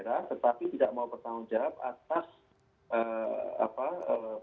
bertanggung jawab atas